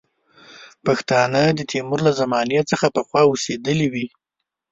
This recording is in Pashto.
پښتانه د تیمور له زمانې څخه پخوا اوسېدلي وي.